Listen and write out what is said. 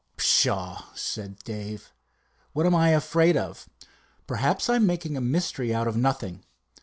"Pshaw!" said Dave, "what am I afraid of? Perhaps I'm making a mystery out of nothing.